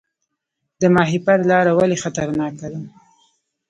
د ماهیپر لاره ولې خطرناکه ده؟